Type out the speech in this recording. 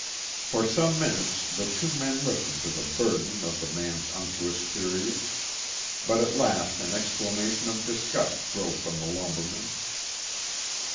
For some minutes the two men listened to the burden of the man's unctuous periods, but at last an exclamation of disgust broke from the lumberman.